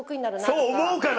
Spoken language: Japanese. そう思うかな？